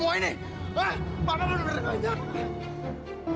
papa bener bener gak nyangka